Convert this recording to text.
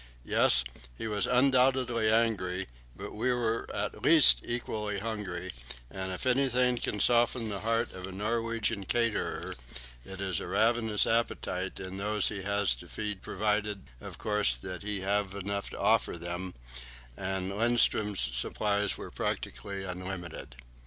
Yes, he was undoubtedly angry, but we were at least equally hungry; and if anything can soften the heart of a Norwegian caterer, it is a ravenous appetite in those he has to feed, provided, of course, that he have enough to offer them, and Lindström's supplies were practically unlimited.